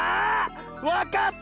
わかった！